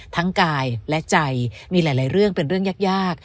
ทั้งกายและใจมีหลายหลายเรื่องเป็นเรื่องยากยาก